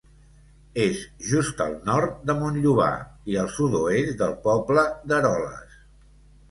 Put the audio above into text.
És just al nord de Montllobar i al sud-oest del poble d'Eroles.